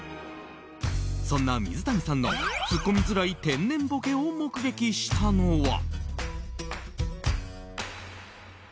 そんな水谷さんのツッコみづらい天然ボケを目撃したのは。